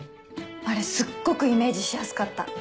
あれすっごくイメージしやすかった。